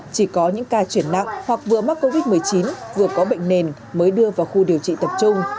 chỉ có những ca chuyển nặng hoặc vừa mắc covid một mươi chín vừa có bệnh nền mới đưa vào khu điều trị tập trung